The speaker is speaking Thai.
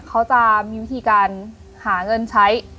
เขาจะมีวิธีการหาเงินใช้